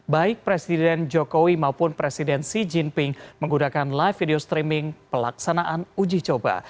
baik presiden jokowi maupun presiden xi jinping menggunakan live video streaming pelaksanaan uji coba